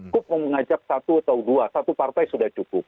cukup mengajak satu atau dua satu partai sudah cukup